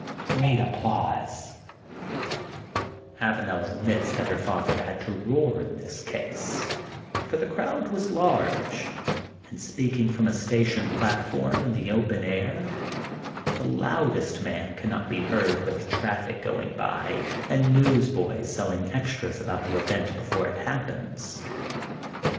'^ [Great Applause I] Avanel admits that her father had to roar in this case, for the crowd was large, and, speaking from a station platform in the open air, the loudest man cannot be heard with traffic going by and newsboys selling extras about the event before it hap pens.